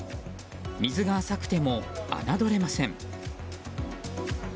水が浅くても侮れません。